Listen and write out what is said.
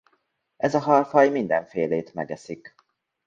Ez a halfaj mindenfélét megeszik.